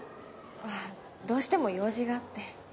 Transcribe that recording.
あっどうしても用事があって。